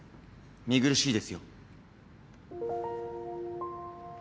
見苦しいですよ。